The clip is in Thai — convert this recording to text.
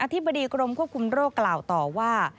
ธิบดีกรมควบคุมโรคกล่าวต่อว่า